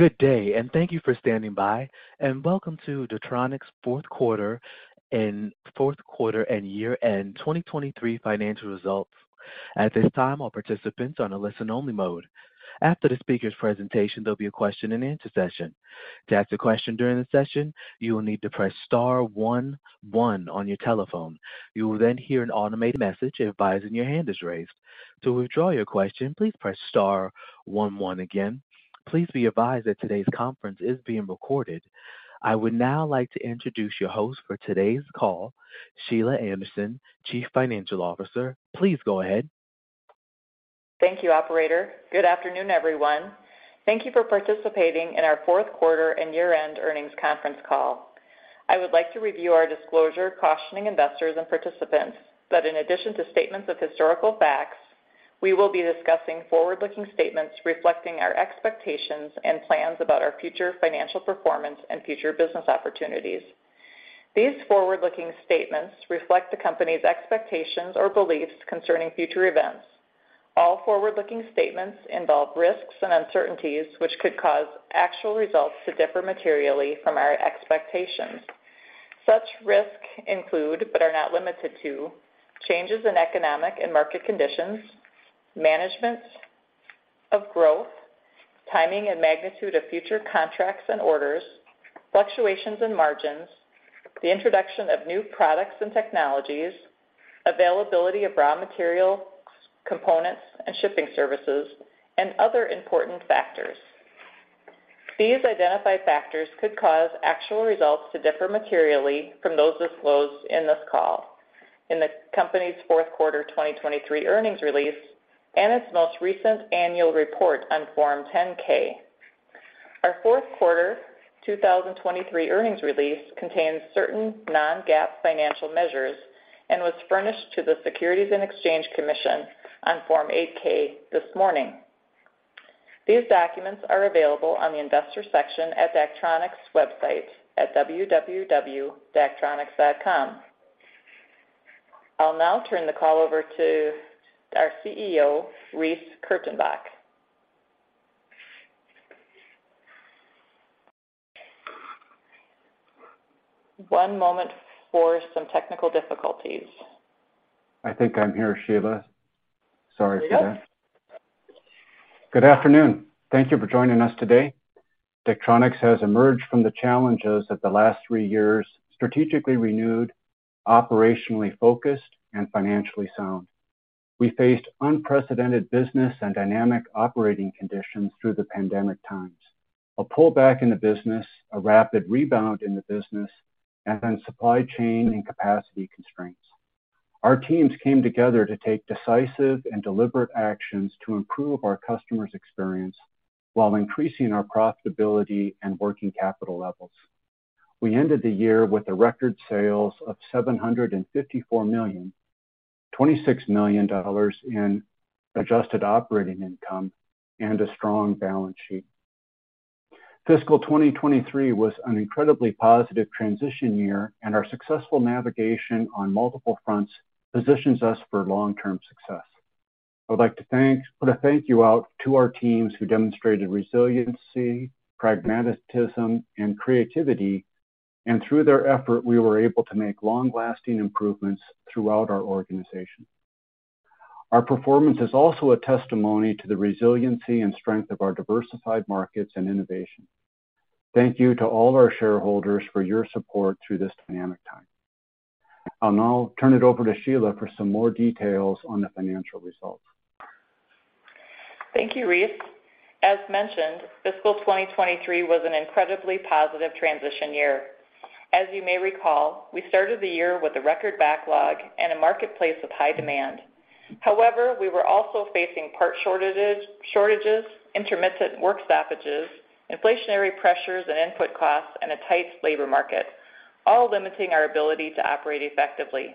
Good day, thank you for standing by, and welcome to Daktronics' Q4 and year-end 2023 financial results. At this time, all participants are on a listen-only mode. After the speaker's presentation, there'll be a question-and-answer session. To ask a question during the session, you will need to press star one one on your telephone. You will then hear an automated message advising your hand is raised. To withdraw your question, please press star one one again. Please be advised that today's conference is being recorded. I would now like to introduce your host for today's call, Sheila Anderson, Chief Financial Officer. Please go ahead. Thank you, operator. Good afternoon, everyone. Thank you for participating in our Q4 and year-end earnings conference call. I would like to review our disclosure cautioning investors and participants that in addition to statements of historical facts, we will be discussing forward-looking statements reflecting our expectations and plans about our future financial performance and future business opportunities. These forward-looking statements reflect the Company's expectations or beliefs concerning future events. All forward-looking statements involve risks and uncertainties, which could cause actual results to differ materially from our expectations. Such risks include, but are not limited to, changes in economic and market conditions, management of growth, timing and magnitude of future contracts and orders, fluctuations in margins, the introduction of new products and technologies, availability of raw materials, components, and shipping services, and other important factors. These identified factors could cause actual results to differ materially from those disclosed in this call, in the company's Q4 2023 earnings release, and its most recent annual report on Form 10-K. Our Q4 2023 earnings release contains certain non-GAAP financial measures and was furnished to the Securities and Exchange Commission on Form 8-K this morning. These documents are available on the Investors section at Daktronics' website at www.daktronics.com. I will now turn the call over to our CEO, Reece Kurtenbach. One moment for some technical difficulties. I think I'm here, Sheila. Sorry for that. You are. Good afternoon. Thank you for joining us today. Daktronics has emerged from the challenges of the last three years, strategically renewed, operationally focused, and financially sound. We faced unprecedented business and dynamic operating conditions through the pandemic times, a pullback in the business, a rapid rebound in the business, and then supply chain and capacity constraints. Our teams came together to take decisive and deliberate actions to improve our customers' experience while increasing our profitability and working capital levels. We ended the year with a record sales of $754 million, $26 million in adjusted operating income, and a strong balance sheet. FY2023 was an incredibly positive transition year, and our successful navigation on multiple fronts positions us for long-term success. I would like to put a thank you out to our teams who demonstrated resiliency, pragmatism, and creativity, and through their effort, we were able to make long-lasting improvements throughout our organization. Our performance is also a testimony to the resiliency and strength of our diversified markets and innovation. Thank you to all of our shareholders for your support through this dynamic time. I'll now turn it over to Sheila for some more details on the financial results. Thank you, Reece. As mentioned, fiscal 2023 was an incredibly positive transition year. As you may recall, we started the year with a record backlog and a marketplace of high demand. We were also facing part shortages, intermittent work stoppages, inflationary pressures and input costs, and a tight labor market, all limiting our ability to operate effectively.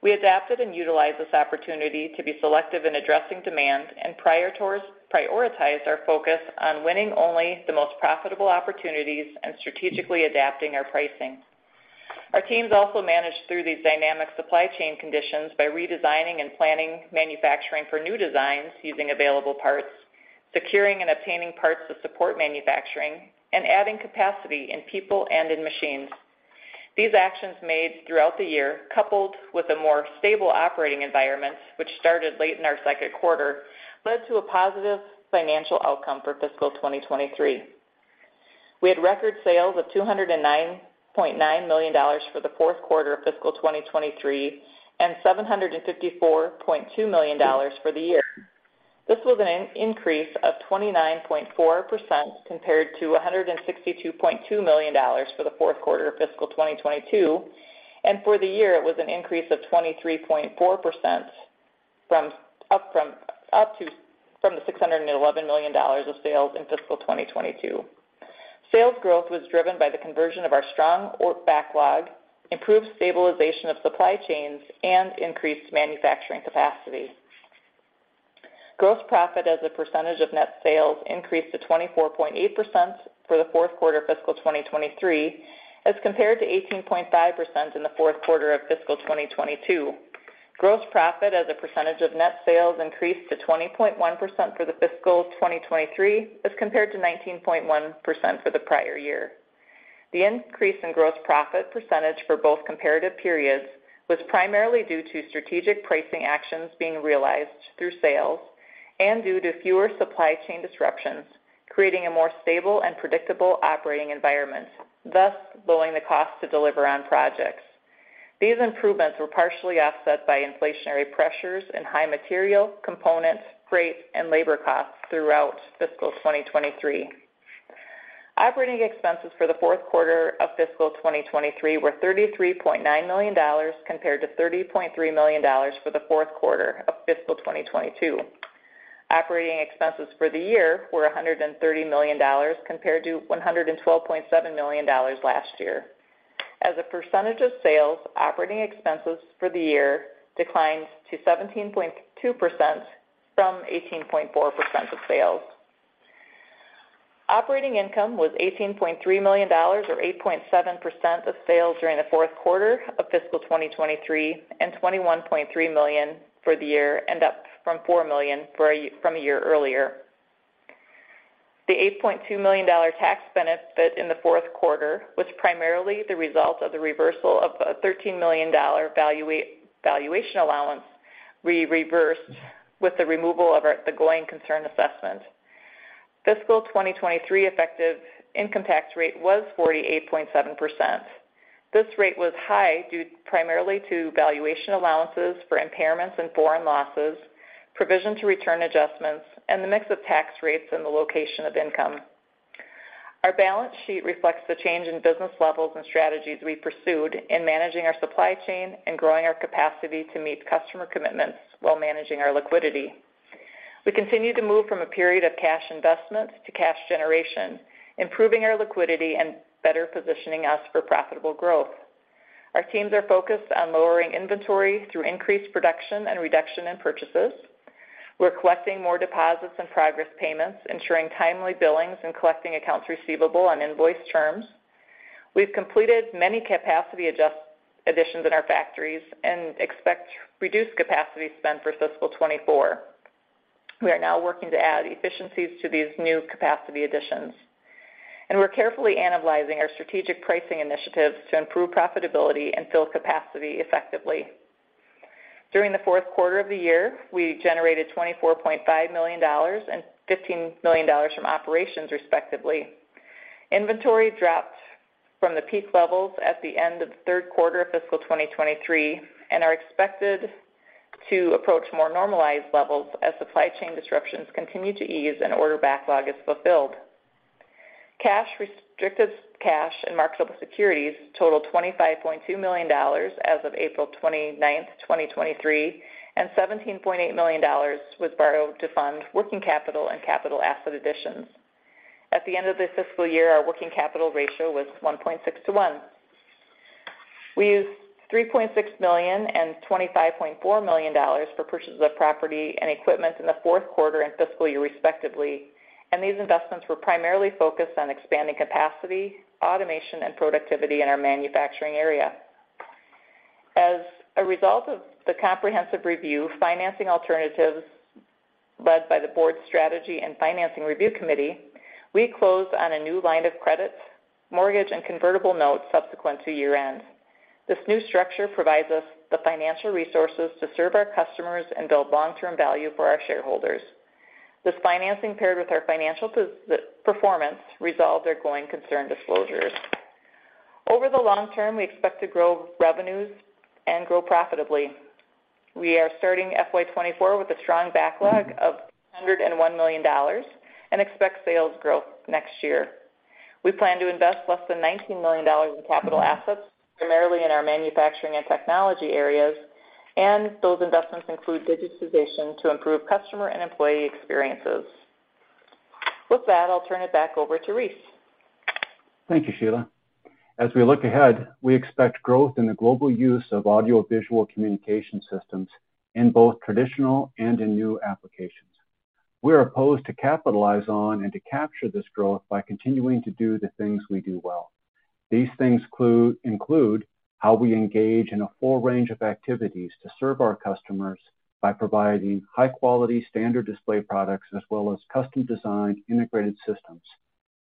We adapted and utilized this opportunity to be selective in addressing demand and prioritize our focus on winning only the most profitable opportunities and strategically adapting our pricing. Our teams also managed through these dynamic supply chain conditions by redesigning and planning manufacturing for new designs, using available parts, securing and obtaining parts to support manufacturing, and adding capacity in people and in machines. These actions made throughout the year, coupled with a more stable operating environment, which started late in our Q2, led to a positive financial outcome for fiscal 2023. We had record sales of $209.9 million for the Q4 of fiscal 2023, and $754.2 million for the year. This was an increase of 29.4% compared to $162.2 million for the Q4 of fiscal 2022, and for the year, it was an increase of 23.4% from the $611 million of sales in fiscal 2022. Sales growth was driven by the conversion of our strong backlog, improved stabilization of supply chains, and increased manufacturing capacity. Gross profit as a percentage of net sales increased to 24.8% for the Q4 of fiscal 2023, as compared to 18.5% in the Q4 of fiscal 2022. Gross profit as a percentage of net sales increased to 20.1% for the fiscal 2023, as compared to 19.1% for the prior year. The increase in gross profit percentage for both comparative periods was primarily due to strategic pricing actions being realized through sales and due to fewer supply chain disruptions, creating a more stable and predictable operating environment, thus lowering the cost to deliver on projects. These improvements were partially offset by inflationary pressures and high material, components, freight, and labor costs throughout fiscal 2023. Operating expenses for the Q4 of fiscal 2023 were $33.9 million, compared to $30.3 million for the Q4 of fiscal 2022. Operating expenses for the year were $130 million, compared to $112.7 million last year. As a percentage of sales, operating expenses for the year declined to 17.2% from 18.4% of sales. Operating income was $18.3 million, or 8.7% of sales during the Q4 of fiscal 2023, and $21.3 million for the year, up from $4 million from a year earlier. The $8.2 million tax benefit in the Q4 was primarily the result of the reversal of a $13 million valuation allowance we reversed with the removal of the going concern assessment. Fiscal 2023 effective income tax rate was 48.7%. This rate was high due primarily to valuation allowances for impairments and foreign losses, provision to return adjustments, and the mix of tax rates and the location of income. Our balance sheet reflects the change in business levels and strategies we pursued in managing our supply chain and growing our capacity to meet customer commitments while managing our liquidity. We continue to move from a period of cash investments to cash generation, improving our liquidity and better positioning us for profitable growth. Our teams are focused on lowering inventory through increased production and reduction in purchases. We're collecting more deposits and progress payments, ensuring timely billings, and collecting accounts receivable on invoice terms. We've completed many capacity additions in our factories and expect reduced capacity spend for FY2024. We are now working to add efficiencies to these new capacity additions, we're carefully analyzing our strategic pricing initiatives to improve profitability and fill capacity effectively. During the Q4 of the year, we generated $24.5 million and $15 million from operations, respectively. Inventory dropped from the peak levels at the end of the Q3 of FY2023 and are expected to approach more normalized levels as supply chain disruptions continue to ease and order backlog is fulfilled. Cash, restricted cash and marketable securities totaled $25.2 million as of April 29, 2023, and $17.8 million was borrowed to fund working capital and capital asset additions. At the end of the fiscal year, our working capital ratio was 1.6 to 1. We used $3.6 million and $25.4 million for purchases of property and equipment in the Q4 and fiscal year, respectively, and these investments were primarily focused on expanding capacity, automation, and productivity in our manufacturing area. As a result of the comprehensive review, financing alternatives led by the board's Strategy and Financing Review Committee, we closed on a new line of credit, mortgage, and convertible notes subsequent to year-end. This new structure provides us the financial resources to serve our customers and build long-term value for our shareholders. This financing, paired with our financial performance, resolved our going concern disclosures. Over the long term, we expect to grow revenues and grow profitably. We are starting FY2024 with a strong backlog of $101 million and expect sales growth next year. We plan to invest less than $19 million in capital assets, primarily in our manufacturing and technology areas, and those investments include digitization to improve customer and employee experiences. With that, I'll turn it back over to Reece. Thank you, Sheila. As we look ahead, we expect growth in the global use of audiovisual communication systems in both traditional and in new applications. We are opposed to capitalize on and to capture this growth by continuing to do the things we do well. These things include how we engage in a full range of activities to serve our customers by providing high-quality standard display products as well as custom-designed integrated systems,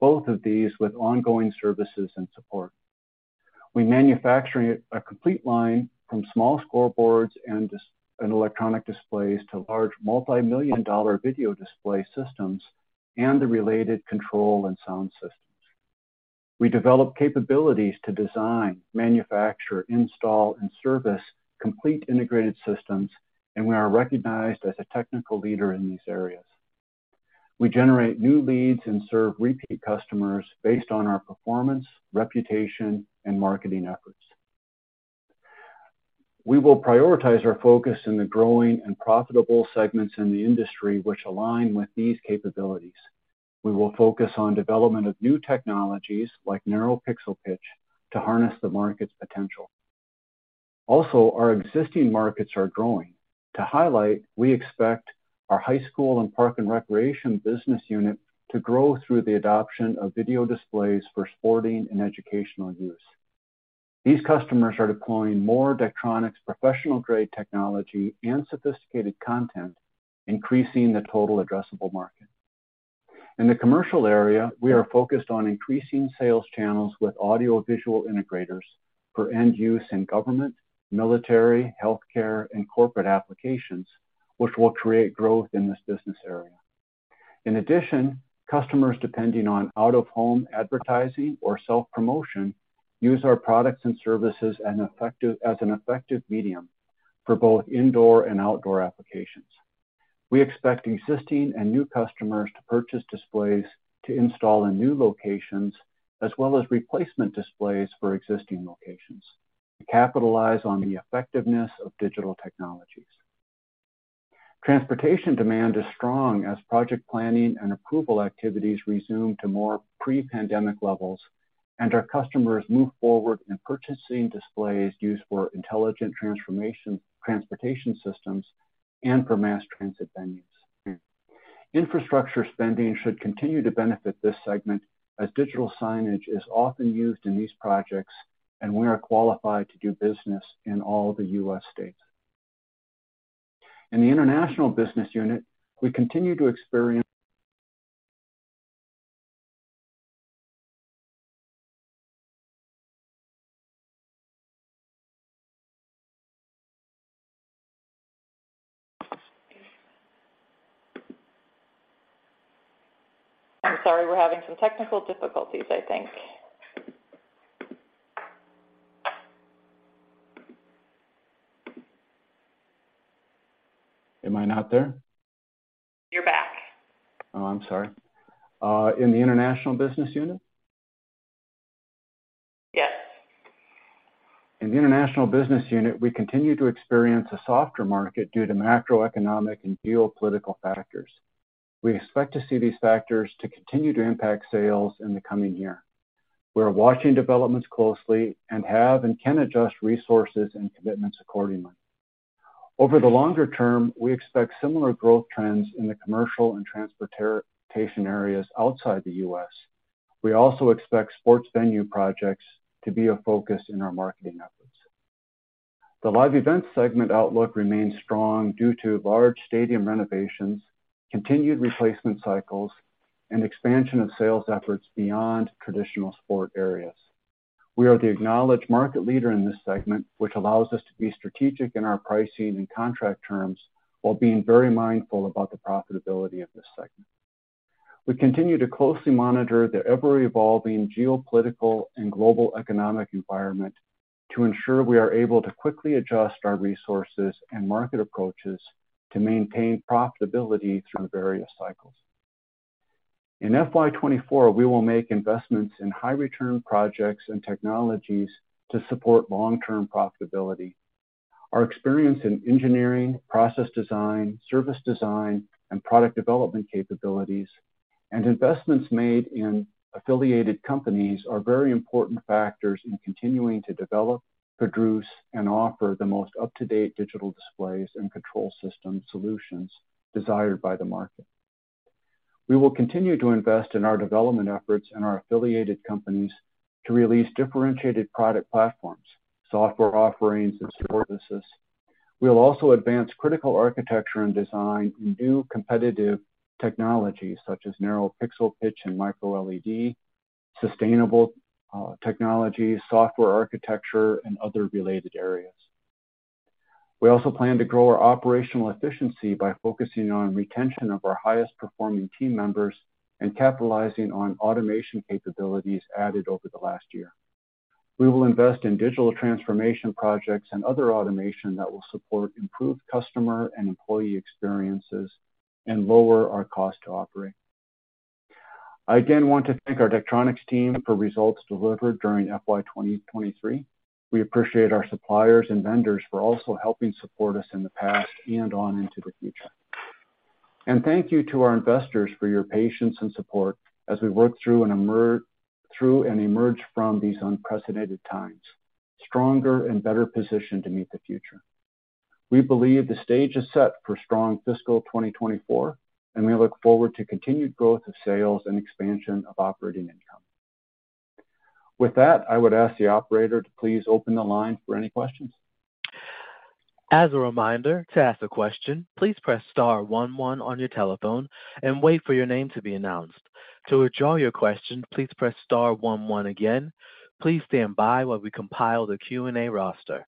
both of these with ongoing services and support. We manufacture a complete line from small scoreboards and electronic displays to large, multimillion-dollar video display systems and the related control and sound systems. We develop capabilities to design, manufacture, install, and service complete integrated systems. We are recognized as a technical leader in these areas. We generate new leads and serve repeat customers based on our performance, reputation, and marketing efforts. We will prioritize our focus in the growing and profitable segments in the industry which align with these capabilities. We will focus on development of new technologies, like narrow pixel pitch, to harness the market's potential. Our existing markets are growing. To highlight, we expect our high school and park and recreation business unit to grow through the adoption of video displays for sporting and educational use. These customers are deploying more Daktronics professional-grade technology and sophisticated content, increasing the total addressable market. In the commercial area, we are focused on increasing sales channels with audiovisual integrators for end use in government, military, healthcare, and corporate applications, which will create growth in this business area. In addition, customers depending on out-of-home advertising or self-promotion use our products and services as an effective medium for both indoor and outdoor applications. We expect existing and new customers to purchase displays to install in new locations, as well as replacement displays for existing locations to capitalize on the effectiveness of digital technologies. Transportation demand is strong as project planning and approval activities resume to more pre-pandemic levels, and our customers move forward in purchasing displays used for Intelligent Transportation Systems and for mass transit venues. Infrastructure spending should continue to benefit this segment as digital signage is often used in these projects, and we are qualified to do business in all the U.S. states. In the international business unit, we continue to experience- I'm sorry, we're having some technical difficulties, I think. Am I not there? You're back. Oh, I'm sorry. In the international business unit? Yes. In the international business unit, we continue to experience a softer market due to macroeconomic and geopolitical factors. We expect to see these factors to continue to impact sales in the coming year. We are watching developments closely and have and can adjust resources and commitments accordingly. Over the longer term, we expect similar growth trends in the commercial and transportation areas outside the U.S. We also expect sports venue projects to be a focus in our marketing efforts. The live event segment outlook remains strong due to large stadium renovations, continued replacement cycles, and expansion of sales efforts beyond traditional sport areas. We are the acknowledged market leader in this segment, which allows us to be strategic in our pricing and contract terms while being very mindful about the profitability of this segment. We continue to closely monitor the ever-evolving geopolitical and global economic environment to ensure we are able to quickly adjust our resources and market approaches to maintain profitability through various cycles. In FY2024, we will make investments in high-return projects and technologies to support long-term profitability. Our experience in engineering, process design, service design, and product development capabilities and investments made in affiliated companies are very important factors in continuing to develop, produce, and offer the most up-to-date digital displays and control system solutions desired by the market. We will continue to invest in our development efforts and our affiliated companies to release differentiated product platforms, software offerings, and services. We'll also advance critical architecture and design in new competitive technologies such as narrow pixel pitch and MicroLED, sustainable technology, software architecture, and other related areas. We also plan to grow our operational efficiency by focusing on retention of our highest performing team members and capitalizing on automation capabilities added over the last year. We will invest in digital transformation projects and other automation that will support improved customer and employee experiences and lower our cost to operate. I again want to thank our Daktronics team for results delivered during FY2023. We appreciate our suppliers and vendors for also helping support us in the past and on into the future. Thank you to our investors for your patience and support as we work through and emerge from these unprecedented times, stronger and better positioned to meet the future. We believe the stage is set for strong fiscal 2024, and we look forward to continued growth of sales and expansion of operating income. With that, I would ask the operator to please open the line for any questions. As a reminder, to ask a question, please press star one one on your telephone and wait for your name to be announced. To withdraw your question, please press star one one again. Please stand by while we compile the Q&A roster.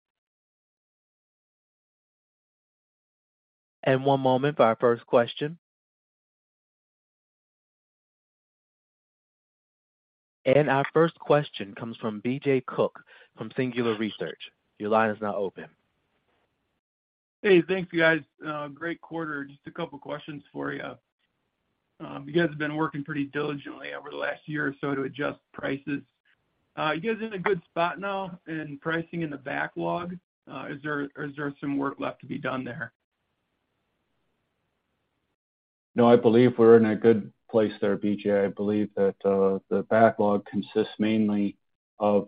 One moment for our first question. Our first question comes from BJ Cook from Singular Research. Your line is now open. Hey, thank you, guys. Great quarter. Just a couple questions for you. You guys have been working pretty diligently over the last year or so to adjust prices. Are you guys in a good spot now in pricing in the backlog? Is there some work left to be done there? No, I believe we're in a good place there, BJ. I believe that, the backlog consists mainly of,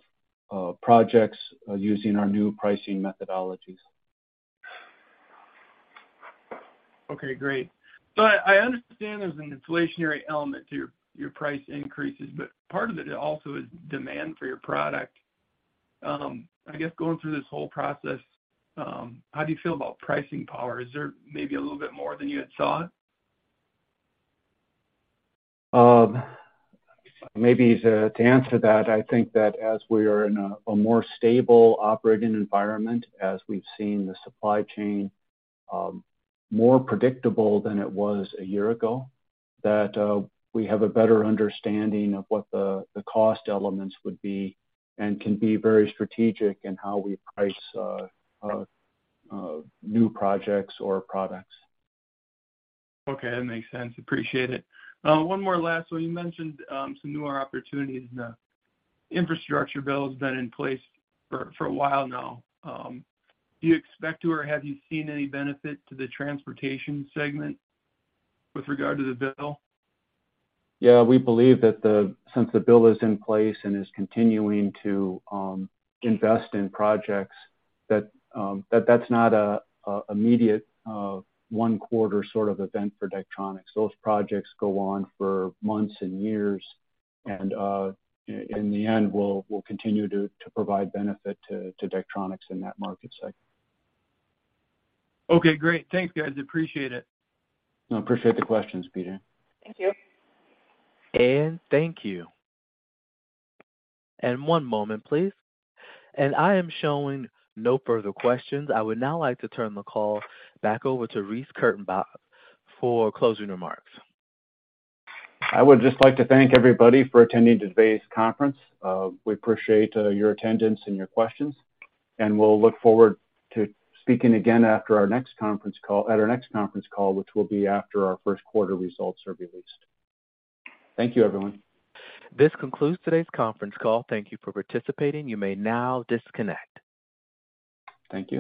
projects using our new pricing methodologies. Okay, great. I understand there's an inflationary element to your price increases, part of it also is demand for your product. I guess going through this whole process, how do you feel about pricing power? Is there maybe a little bit more than you had thought? Maybe to answer that, I think that as we are in a more stable operating environment, as we've seen the supply chain, more predictable than it was a year ago, that we have a better understanding of what the cost elements would be and can be very strategic in how we price new projects or products. Okay, that makes sense. Appreciate it. One more last one. You mentioned some newer opportunities. The infrastructure bill has been in place for a while now. Do you expect to, or have you seen any benefit to the transportation segment with regard to the bill? We believe that since the bill is in place and is continuing to invest in projects, that that's not a immediate one quarter sort of event for Daktronics. Those projects go on for months and years, in the end, we'll continue to provide benefit to Daktronics in that market segment. Okay, great. Thanks, guys, appreciate it. I appreciate the questions, Peter. Thank you. Thank you. One moment, please. I am showing no further questions. I would now like to turn the call back over to Reece Kurtenbach for closing remarks. I would just like to thank everybody for attending today's conference. We appreciate your attendance and your questions, and we'll look forward to speaking again at our next conference call, which will be after ourQ1 results are released. Thank you, everyone. This concludes today's conference call. Thank you for participating. You may now disconnect. Thank you.